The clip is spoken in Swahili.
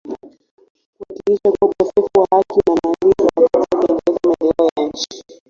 kuhakikisha kuwa ukosefu wa haki unamalizwa wakati wakiendeleza maendeleo ya nchi